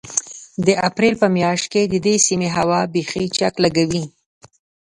د اپرېل په مياشت کې د دې سيمې هوا بيخي چک لګوي.